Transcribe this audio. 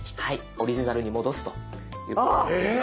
オリジナルに戻すということができます。